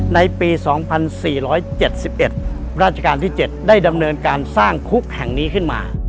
ในปี๒๔๗๑ราชการที่๗ได้ดำเนินการสร้างคุกแห่งนี้ขึ้นมา